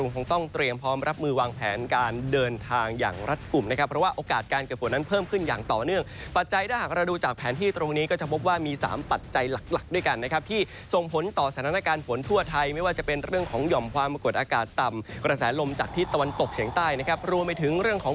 คงต้องเตรียมพร้อมรับมือวางแผนการเดินทางอย่างรัฐกลุ่มนะครับเพราะว่าโอกาสการเกิดฝนนั้นเพิ่มขึ้นอย่างต่อเนื่องปัจจัยถ้าหากเราดูจากแผนที่ตรงนี้ก็จะพบว่ามีสามปัจจัยหลักหลักด้วยกันนะครับที่ส่งผลต่อสถานการณ์ฝนทั่วไทยไม่ว่าจะเป็นเรื่องของหย่อมความกดอากาศต่ำกระแสลมจากทิศตะวันตกเฉียงใต้นะครับรวมไปถึงเรื่องของ